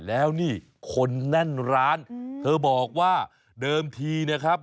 แล้วนี่คนแน่นร้านเธอบอกว่าเดิมทีนะครับ